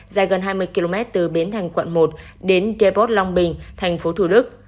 dài gần hai mươi km từ bến thành quận một đến deport long bình thành phố thủ đức